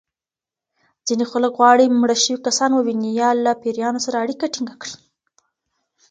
ځینې خلک غواړي مړه شوي کسان وویني یا له پېریانو سره اړیکه ټېنګه کړي.